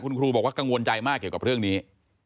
คุณครูบอกว่ากังวลใจมากเกี่ยวกับเรื่องนี้